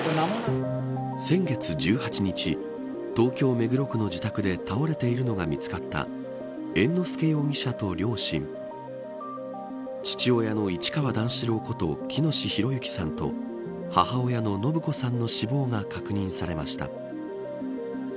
先月１８日、東京、目黒区の自宅で倒れているのが見つかった猿之助容疑者と両親父親の市川段四郎こと喜熨斗弘之さんと母親の延子さんの死亡が確認されました。